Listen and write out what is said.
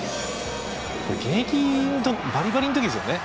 これ現役バリバリの時ですよね。